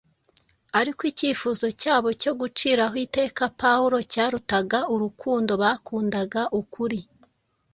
ariko icyifuzo cyabo cyo guciraho iteka Pawulo cyarutaga urukundo bakundaga ukuri.